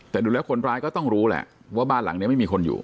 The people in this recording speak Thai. แต่ดูแล้วคนร้ายก็ต้องรู้แหละว่าบ้านหลังนี้ไม่มีคนอยู่